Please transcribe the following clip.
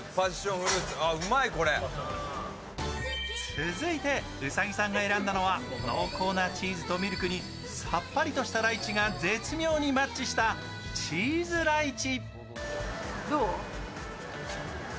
続いて、兎さんが選んだのは濃厚なチーズとミルクにさっぱりとしたライチが絶妙にマッチしたチーズライチ。